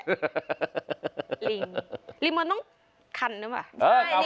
ลิงลิงมันต้องคันหรือเปล่า